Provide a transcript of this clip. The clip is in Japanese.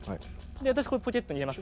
私これポケットに入れます。